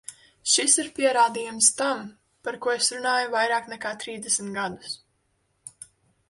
Šis ir pierādījums tam, par ko es runāju vairāk nekā trīsdesmit gadus.